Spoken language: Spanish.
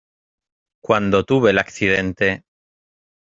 cuando tuve el accidente.